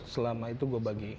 selama itu gue bagi